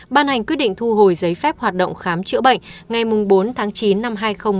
ban hành quyết định thu hồi giấy phép hoạt động khám chữa bệnh ngày bốn tháng chín năm hai nghìn một mươi chín